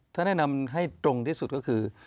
ถ้าแนะนำให้ตรงที่สุดก็คือ